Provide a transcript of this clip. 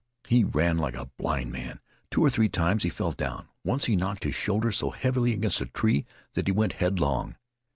He ran like a blind man. Two or three times he fell down. Once he knocked his shoulder so heavily against a tree that he went headlong.